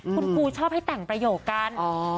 คุณครูชอบให้แต่งประโยคกัน